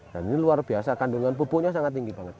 dan ini luar biasa kandungan pupuknya sangat tinggi banget